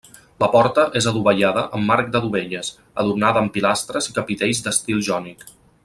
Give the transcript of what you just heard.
La porta és adovellada amb marc de dovelles, adornada amb pilastres i capitells d'estil jònic.